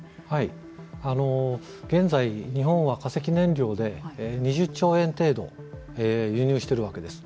現在、日本は化石燃料で２０兆円程度輸入しているわけです。